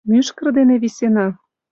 Мӱшкыр дене висена.